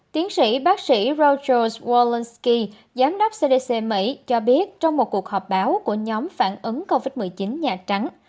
tiến sĩ bác sĩ routers worlsky giám đốc cdc mỹ cho biết trong một cuộc họp báo của nhóm phản ứng covid một mươi chín nhà trắng